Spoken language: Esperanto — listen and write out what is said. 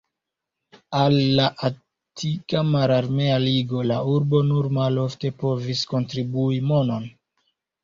Al la Atika Mararmea Ligo la urbo nur malofte povis kontribui monon.